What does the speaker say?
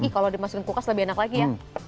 kalau dimasukin kulkas lebih enak lagi ya